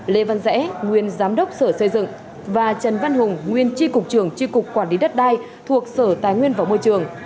lê văn rẽ nguyên giám đốc sở xây dựng và trần văn hùng nguyên tri cục trường tri cục quản lý đất đai thuộc sở tài nguyên và môi trường